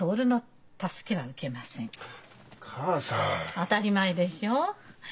当たり前でしょう。